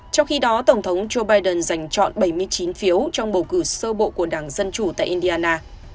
trong khi đó tổng thống joe biden giành chọn bảy mươi chín phiếu trong bầu cử sơ bộ của đảng dân chủ tại indiana